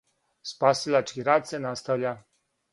Спасилачки рад се наставља.